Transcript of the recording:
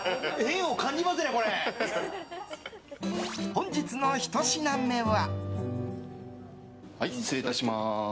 本日の１品目は。